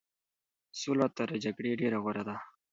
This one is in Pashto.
سوله تر جګړې ډېره غوره ده.